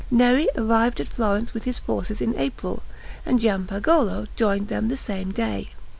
Neri arrived at Florence with his forces in April, and Giampagolo joined them the same day.